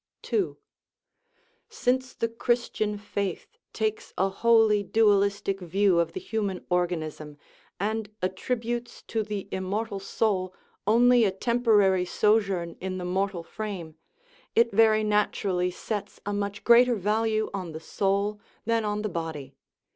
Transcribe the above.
II. Since the Christian faith takes a wholly dualis tic view of the human organism and attributes to the immortal soul only a temporary sojourn in the mortal frame, it very naturally sets a much greater value on the soul than on the body.